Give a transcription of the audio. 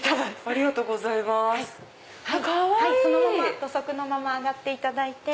土足のまま上がっていただいて。